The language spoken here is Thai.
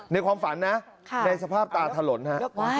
ในความฝันนะในสภาพตาถลนฮะ